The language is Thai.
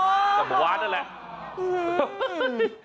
โอ้โฮโอ้โฮกับบาว้านนั่นแหละ